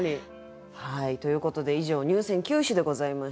はいということで以上入選九首でございました。